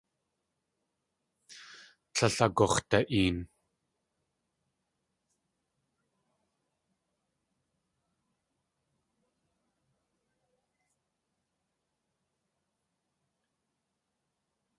Tlél agux̲da.een.